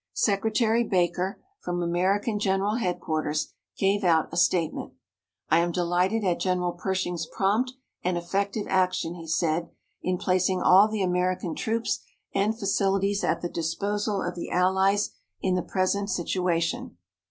Secretary Baker, from American General Headquarters, gave out a statement. "I am delighted at General Pershing's prompt and effective action," he said, "in placing all the American troops and facilities at the disposal of the Allies in the present situation.